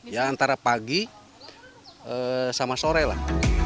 ya antara pagi sama sore lah